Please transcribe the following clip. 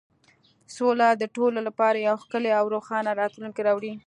سوله د ټولو لپاره یو ښکلی او روښانه راتلونکی راوړي.